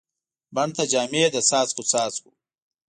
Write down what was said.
بڼ ته جامې د څاڅکو، څاڅکو